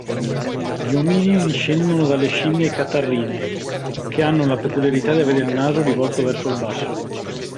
Gli ominidi discendono dalle scimmie catarrine che hanno la peculiarità di avere il naso rivolto verso il basso.